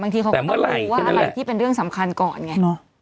แต่เมื่อไหร่เขาก็รู้ว่าอะไรที่เป็นเรื่องสำคัญก่อนไง